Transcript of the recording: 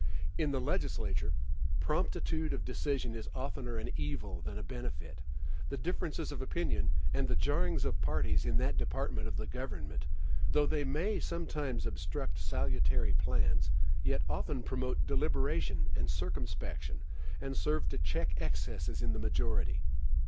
In the legislature, promptitude of decision is oftener an evil than a benefit. The differences of opinion, and the jarrings of parties in that department of the government, though they may sometimes obstruct salutary plans, yet often promote deliberation and circumspection, and serve to check excesses in the majority.